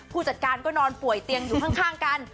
ผู้จัดการก็นอนป่วยเตียงอยู่ข้างกัน